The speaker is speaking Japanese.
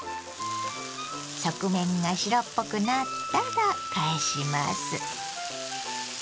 側面が白っぽくなったら返します。